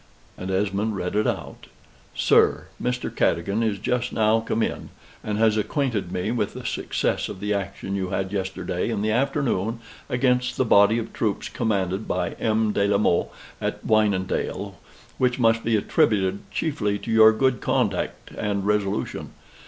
And Esmond read it out: "SIR, Mr. Cadogan is just now come in, and has acquainted me with the success of the action you had yesterday in the afternoon against the body of troops commanded by M. de la Mothe, at Wynendael, which must be attributed chiefly to your good conduct and resolution.